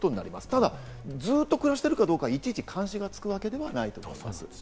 ただ、ずっと暮らしてるかどうか、いちいち監視がつくわけではないと思います。